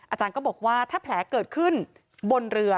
อาจารย์ก็บอกว่าถ้าแผลเกิดขึ้นบนเรือ